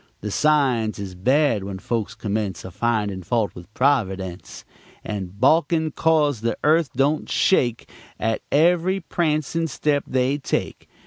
The signs is bad when folks commence A findin' fault with Providence, And balkin' 'cause the earth don't shake At ev'ry prancin' step they take.